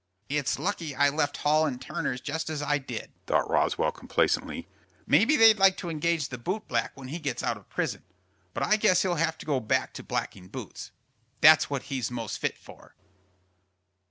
"It's lucky I left Hall & Turner's just as I did!" thought Roswell, complacently. "May be they'd like to engage the boot black when he gets out of prison. But I guess he'll have to go back to blacking boots. That's what he's most fit for."